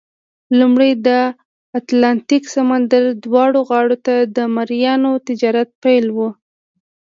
لومړی د اتلانتیک سمندر دواړو غاړو ته د مریانو تجارت پیل وو.